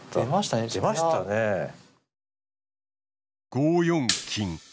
５四金。